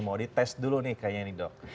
mau dites dulu nih kayaknya nih dok